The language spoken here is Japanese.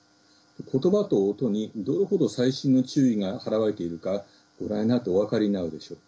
ことばと音に、どれほど細心の注意が払われているかご覧になるとお分かりになるでしょう。